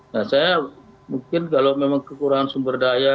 nah saya mungkin kalau memang kekurangan sumber daya